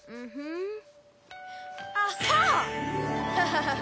ハハハハ。